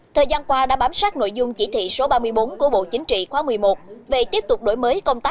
thời gian qua đã bám sát nội dung chỉ thị số ba mươi bốn của bộ chính trị khóa một mươi một